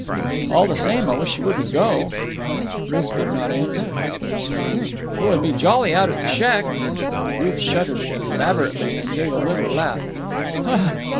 "All the same, I wish you wouldn't go." Ruth did not answer. "It would be very jolly out at the shack." Ruth shuddered elaborately and gave a little laugh.